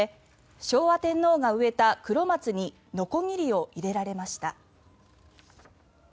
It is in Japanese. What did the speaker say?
昭和天皇が植えたクロマツにのこぎりを入れられました。